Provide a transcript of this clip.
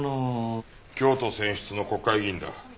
京都選出の国会議員だ。